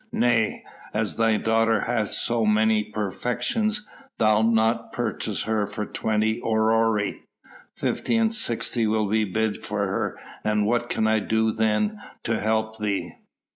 "Nay! an thy daughter hath so many perfections, thou'lt not purchase her for twenty aurei. Fifty and sixty will be bid for her, and what can I do then to help thee?"